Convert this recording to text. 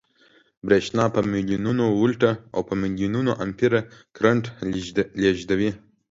برېښنا په ملیونونو ولټه او په ملیونونو امپیره کرنټ لېږدوي